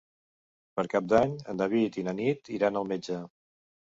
Per Cap d'Any en David i na Nit iran al metge.